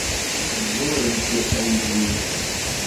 زۆرم پێ عەیب بوو